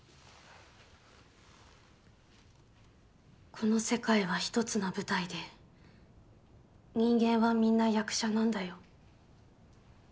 「この世界は１つの舞台で人間はみんな役者なんだよ」。